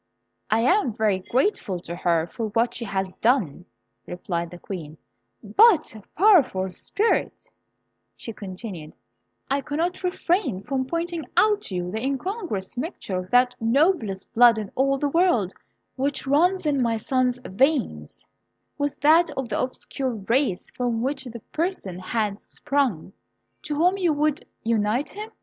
"I am very grateful to her for what she has done," replied the Queen; "but, powerful spirit," she continued, "I cannot refrain from pointing out to you the incongruous mixture of that noblest blood in all the world which runs in my son's veins with that of the obscure race from which the person has sprung to whom you would unite him.